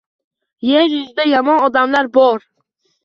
Yer yuzida yomon odamlar bor.